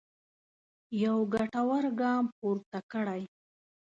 یو ګټور ګام پورته کړی.